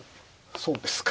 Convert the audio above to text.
そうですか。